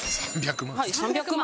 ３００万。